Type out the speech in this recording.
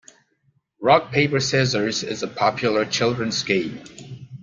Rock, paper, scissors is a popular children's game.